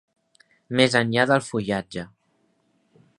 Més enllà del fullatge.